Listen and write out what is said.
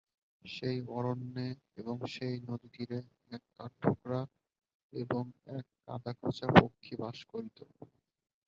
সেই অরণ্যে এবং সেই নদীতীরে এক কাঠঠোকরা এবং একটি কাদাখোঁচা পক্ষী বাস করিত।